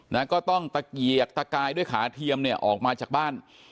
นะก็ต้องตะเกียกตะกายด้วยขาเทียมเนี่ยออกมาจากบ้าน